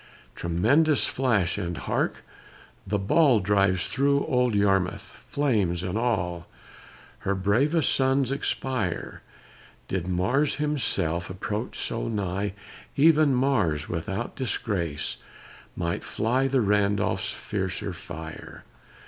Tremendous flash! and hark, the ball Drives through old Yarmouth, flames and all; Her bravest sons expire; Did Mars himself approach so nigh, Even Mars, without disgrace, might fly The Randolph's fiercer fire.